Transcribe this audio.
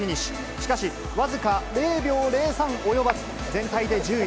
しかし、僅か０秒０３及ばず、全体で１０位。